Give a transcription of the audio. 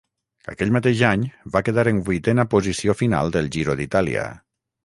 Aquell mateix any va quedar en vuitena posició final del Giro d'Itàlia.